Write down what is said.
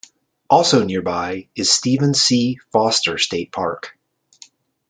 Also nearby is Stephen C. Foster State Park.